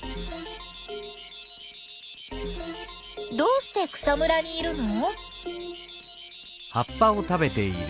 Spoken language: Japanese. どうして草むらにいるの？